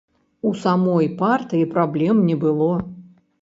У самой партыі праблем не было.